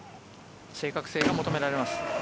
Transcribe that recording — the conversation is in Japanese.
正確性が求められます。